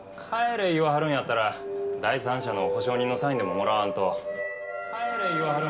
帰れ言わはるんやったら第三者の保証人のサインでももらわんと。